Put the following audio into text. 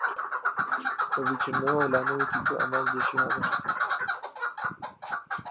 بە بیرکردنەوەوە لانە وتی، تۆ ئامانجێکی هاوبەشت هەیە.